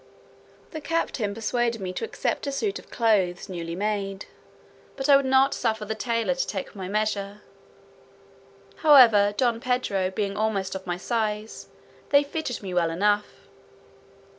The captain persuaded me to accept a suit of clothes newly made; but I would not suffer the tailor to take my measure; however, Don Pedro being almost of my size, they fitted me well enough.